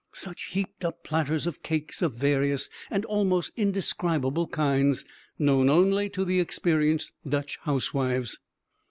Such heaped up platters of cakes of various and almost indescribable kinds, known only to experienced Dutch housewives!